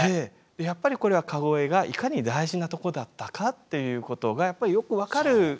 やっぱりこれは川越がいかに大事なとこだったかっていうことがやっぱりよく分かる。